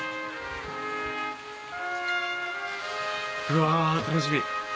うわ楽しみ！